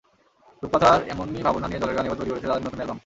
রূপকথার এমনি ভাবনা নিয়ে জলের গান এবার তৈরি করেছে তাদের নতুন অ্যালবাম।